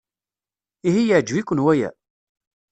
Ihi yeɛjeb-iken waya?